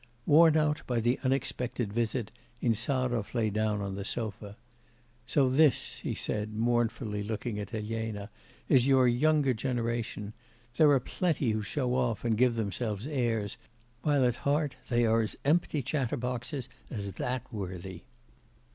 Worn out by the unexpected visit, Insarov lay down on the sofa. 'So this,' he said, mournfully looking at Elena, 'is your younger generation! There are plenty who show off, and give themselves airs, while at heart they are as empty chatterboxes as that worthy.